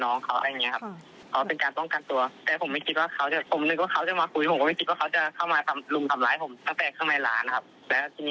ผมก็ไม่ในใจผมเป็นคนนอกพื้นที่ผมไปทำงาน